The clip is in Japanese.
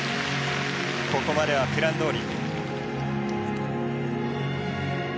ここまではプランどおり。